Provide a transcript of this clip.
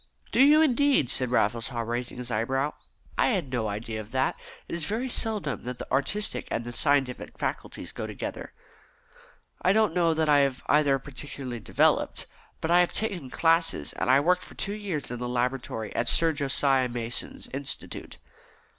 "Do you, indeed?" said Raffles Haw, raising his eyebrows. "I had no idea of that; it is very seldom that the artistic and the scientific faculties go together." "I don't know that I have either particularly developed. But I have taken classes, and I worked for two years in the laboratory at Sir Josiah Mason's Institute."